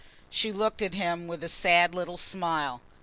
She looked at him with a sad little smile.